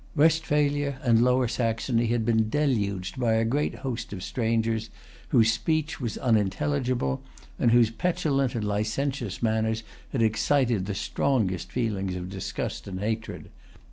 Westphalia and Lower Saxony had been deluged by a great host of strangers, whose speech was unintelligible, and whose petulant and licentious manners had excited the strongest feelings of disgust and hatred.